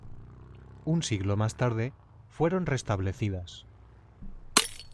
Un siglo más tarde fueron restablecidas.